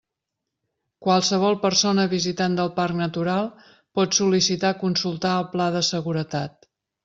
Qualsevol persona visitant del Parc natural pot sol·licitar consultar el pla de seguretat.